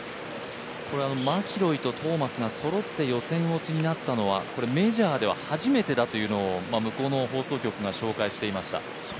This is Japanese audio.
これマキロイとトーマスがそろって予選落ちになったのはメジャーでは初めてというのを向こうの放送局が紹介していました。